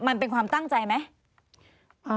มันเป็นความตั้งใจไหม